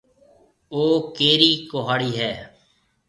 او ڪيرِي ڪُهاڙِي هيَ؟